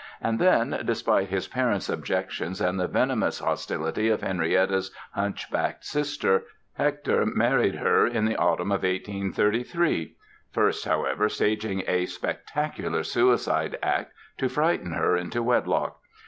And then, despite his parents' objections and the venomous hostility of Henrietta's hunchbacked sister, Hector married her in the autumn of 1833—first, how ever, staging a spectacular suicide act to frighten her into wedlock.